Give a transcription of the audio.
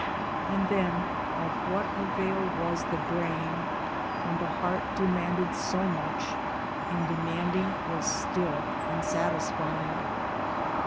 And then of what avail was the brain, when the heart demanded so much, and demanding was still unsatisfied?